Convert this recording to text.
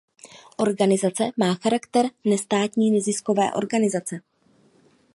Organizace má charakter nestátní neziskové organizace.